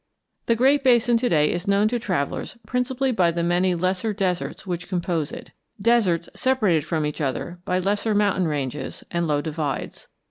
The Great Basin to day is known to travellers principally by the many lesser deserts which compose it, deserts separated from each other by lesser mountain ranges and low divides.